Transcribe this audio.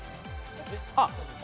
あっ！